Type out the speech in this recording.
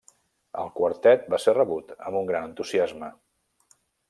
El quartet va ser rebut amb un gran entusiasme.